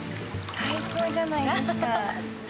最高じゃないですか。